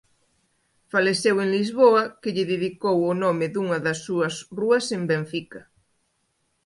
Faleceu en Lisboa que lle dedicou o nome dunha das súas rúas en Benfica.